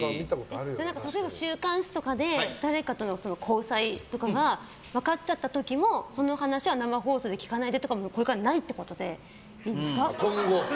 例えば、週刊誌とかで誰かとの交際とかが分かっちゃった時もその話は生放送で聞かないでということもないってことでいいですか。